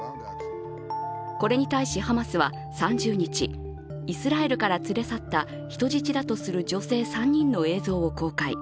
これに対し、ハマスは３０日イスラエルから連れ去った人質だとする女性３人の映像を公開。